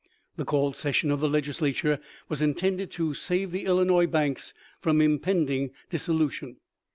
The called session of the Legislature was intended to save the Illinois banks from impending dissolution.